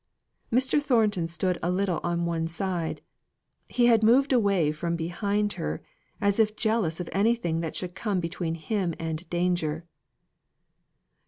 Mr. Thornton stood a little on one side; he had moved away from behind her, as if jealous of anything that should come between him and danger.